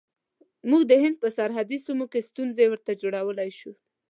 موږ د هند په سرحدي سیمو کې ستونزې ورته جوړولای شو.